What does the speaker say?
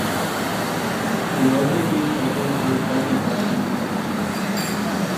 They also faced several third party candidates.